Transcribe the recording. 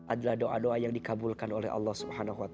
adalah doa doa yang dikabulkan oleh allah swt